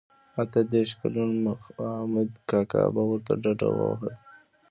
اته دیرش کلن مخامد کاکا به ورته ډډه وهله.